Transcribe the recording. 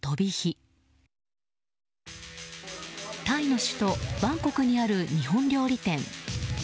タイの首都バンコクにある日本料理店。